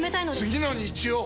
次の日曜！